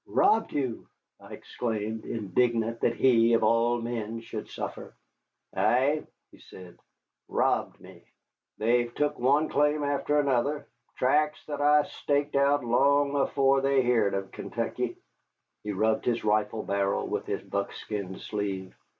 "Robbed you!" I exclaimed, indignant that he, of all men, should suffer. "Ay," he said, "robbed me. They've took one claim after another, tracts that I staked out long afore they heerd of Kaintuckee." He rubbed his rifle barrel with his buckskin sleeve.